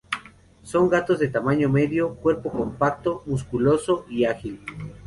Son gatos de tamaño medio, cuerpo compacto, musculoso y ágil.